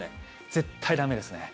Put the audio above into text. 絶対、駄目ですね。